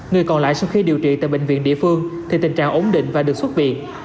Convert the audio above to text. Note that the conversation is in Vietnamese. người còn lại sau khi điều trị tại bệnh viện địa phương thì tình trạng ổn định và được xuất viện